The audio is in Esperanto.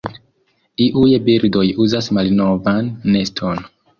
Iuj birdoj uzas malnovan neston.